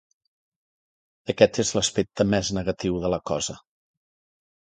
Aquest és l'aspecte més negatiu de la cosa.